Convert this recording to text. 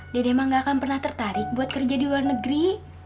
dedema gak akan pernah tertarik buat kerja di luar negeri